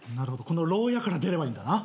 この牢屋から出ればいいんだな。